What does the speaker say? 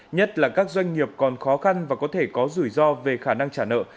nhất là các doanh nghiệp còn khó khăn và có thể có rủi ro về khả năng trả nợ